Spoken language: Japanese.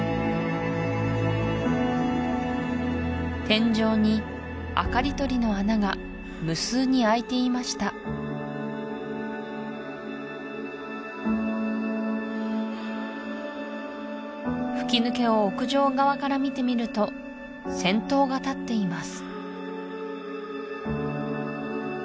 天井に明かり取りの穴が無数に開いていました吹き抜けを屋上側から見てみると尖塔が建っています